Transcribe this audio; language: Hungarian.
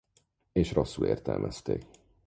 És rosszul értelmezték.